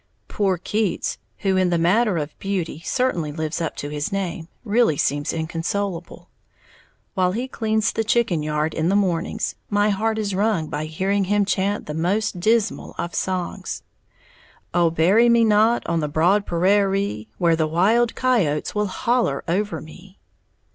Poor Keats, who in the matter of beauty certainly lives up to his name, really seems inconsolable. While he cleans the chicken yard in the mornings, my heart is wrung by hearing him chant the most dismal of songs, Oh bury me not, on the broad pa ra a ree, Where the wild ky oats will holler over me!